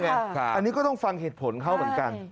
อันนี้ก็ต้องฟังเหตุผลเขาเหมือนกัน